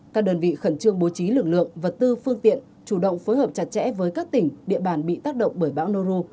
các đơn vị khẩn trương bố trí lực lượng vật tư phương tiện chủ động phối hợp chặt chẽ với các tỉnh địa bàn bị tác động bởi bão noru